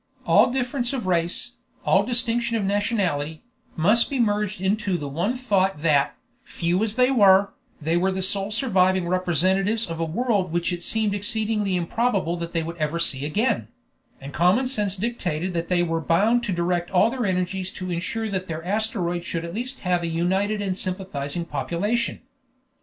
All difference of race, all distinction of nationality, must be merged into the one thought that, few as they were, they were the sole surviving representatives of a world which it seemed exceedingly improbable that they would ever see again; and common sense dictated that they were bound to direct all their energies to insure that their asteroid should at least have a united and sympathizing population.